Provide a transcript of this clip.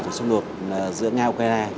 của xung đột giữa nga và ukraine